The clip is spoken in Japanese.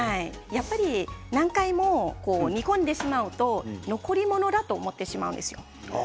煮込んでしまうと残り物だと思ってしまうんですよ。